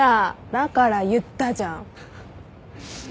だから言ったじゃん。